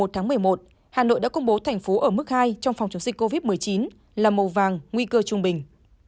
tháng một mươi một hà nội đã công bố thành phố ở mức hai trong phòng chống dịch covid một mươi chín là màu vàng nguy cơ trung bình